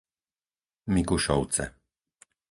Mikušovce